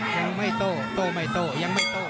ยังไม่โต้โต้ไม่โต้ยังไม่โต้